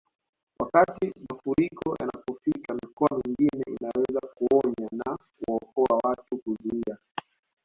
Wakati mafuriko yanapofika mikoa mingine inaweza kuonya na kuwaokoa watu kuzuia